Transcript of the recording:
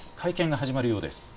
会見が始まるようです。